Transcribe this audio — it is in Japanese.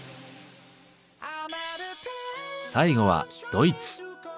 最後はドイツ。